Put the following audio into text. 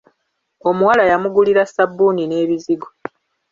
Omuwala yamugulira ssabuuni n'ebizigo.